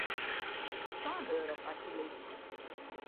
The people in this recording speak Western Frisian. Sân euro, asjeblyft.